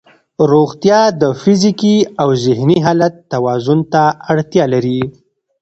روغتیا د فزیکي او ذهني حالت توازن ته اړتیا لري.